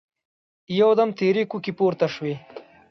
يودم تېرې کوکې پورته شوې.